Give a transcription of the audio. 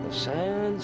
lecet sepatunya bolong